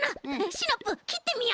シナプーきってみよう！